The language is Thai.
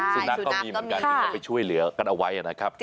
สุนัขก็มีเหมือนกันที่เขาไปช่วยเหลือกันเอาไว้นะครับ